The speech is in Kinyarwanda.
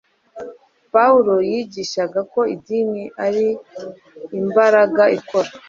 Pawulo yigishaga ko idini ari imbaraga ikora